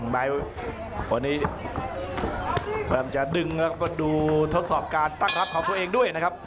ตัวนี้ย่าวแม่งจะดึงดูทดสอบการตั้งรับของตัวเองด้วยนะครับ